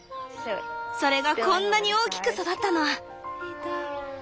それがこんなに大きく育ったの！